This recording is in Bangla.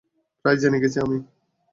প্রায় জেনে গেছি আমি।